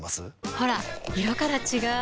ほら色から違う！